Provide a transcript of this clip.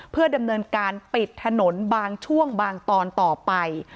เพื่อดำเนินการปิดถนนบางช่วงบางตอนต่อไป